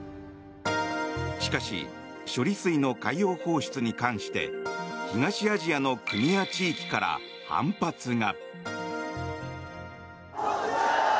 しかし処理水の海洋放出に関して東アジアの国や地域から反発が。